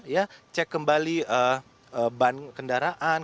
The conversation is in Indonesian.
ya cek kembali ban kendaraan